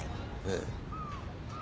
ええ。